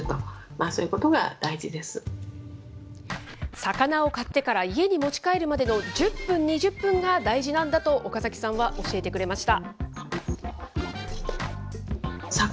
魚を買ってから家に持ち帰るまでの１０分、２０分が大事なんだと、岡崎さんは教えてくれました。